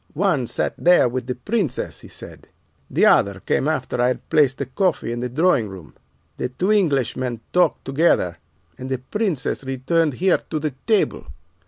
"'One sat there with the Princess,' he said; 'the other came after I had placed the coffee in the drawing room. The two Englishmen talked together and the Princess returned here to the table.